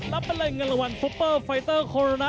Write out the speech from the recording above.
รับเป็นไรเงินระหว่างซุปเปอร์ไฟเตอร์โคโรนะ